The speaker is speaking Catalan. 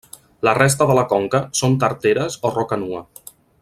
La resta de la conca són tarteres o roca nua.